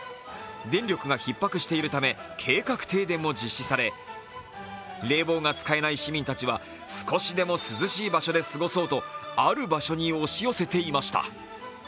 電力がひっ迫しているため計画停電も実施され、冷房が使えない市民たちは少しでも涼しい場所で過ごそうとある場所に押し寄せていました。